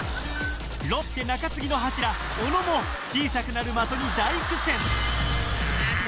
ロッテ中継ぎの柱・小野も小さくなる的に大苦戦